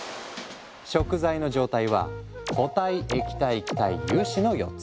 食材の状態は固体液体気体油脂の４つ。